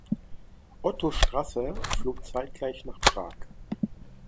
Otto Strasser floh zeitgleich nach Prag.